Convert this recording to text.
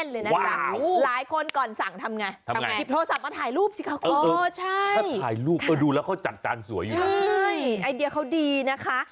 แล้วเขาจัดจานสวยอยู่นะใช่ไอเดียเขาดีนะคะ